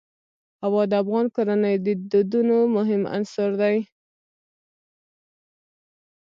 هوا د افغان کورنیو د دودونو مهم عنصر دی.